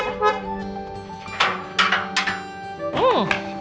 ini suara mobil papa